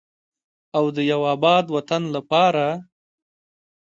او د یو اباد وطن لپاره.